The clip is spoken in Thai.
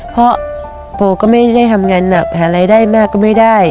เพราะโบก็ไม่ได้ทำงานหนักหารายได้มากก็ไม่ได้